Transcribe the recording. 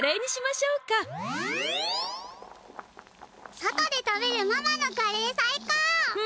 外で食べるママのカレーさいこう！